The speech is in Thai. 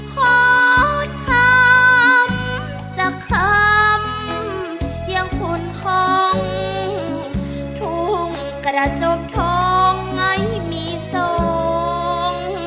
ขอทำสักคำอย่างขุนของทุ่งกระจบทองไอ้มีทรง